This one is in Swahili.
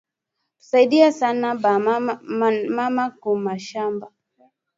Tusaidie sana ba mama ku mashamba